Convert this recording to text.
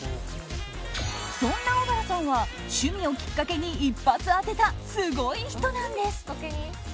そんな小原さんは趣味をきっかけに一発当てたすごい人なんです。